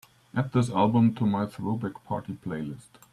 add this album to my Throwback Party playlist